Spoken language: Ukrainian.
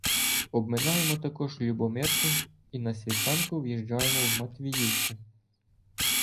Обминаємо також Любомирку і на світанку в'їжджаємо в Матвіївку.